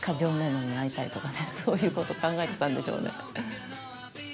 そういうこと考えてたんでしょうね。